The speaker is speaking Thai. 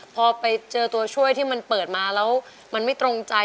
พอไปเจอตัวช่วยที่มันเปิดมาแล้วมันไม่ตรงใจ